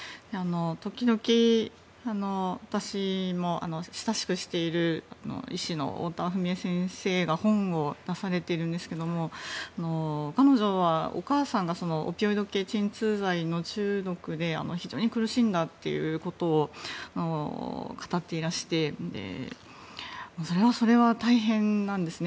時々、私も親しくしている医師のおおたわ史絵先生が本を出されているんですが彼女はお母さんが鎮痛剤の中毒で、非常に苦しんだということを語っていらしてそれはそれは大変なんですね。